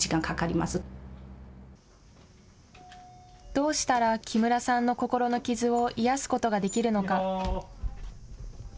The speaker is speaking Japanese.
どうしたら木村さんの心の傷を癒やすことができるのか。